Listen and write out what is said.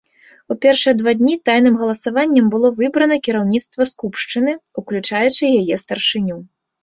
У першыя два дні тайным галасаваннем было выбрана кіраўніцтва скупшчыны, уключаючы яе старшыню.